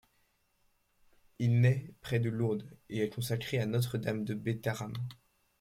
Il naît près de Lourdes et est consacré à Notre-Dame de Bétharram.